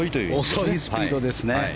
遅いスピードですね。